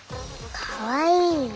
かわいい。